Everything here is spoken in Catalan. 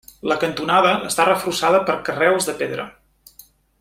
La cantonada està reforçada per carreus de pedra.